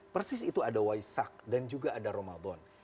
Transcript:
persis itu ada waisak dan juga ada roma bond